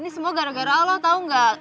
ini semua gara gara allah tau nggak